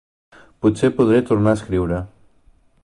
Potser podré tornar a escriure.